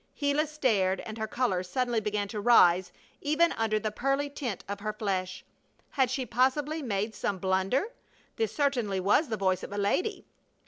Gila stared, and her color suddenly began to rise even under the pearly tint of her flesh. Had she possibly made some blunder? This certainly was the voice of a lady.